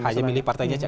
hanya milih partainya saja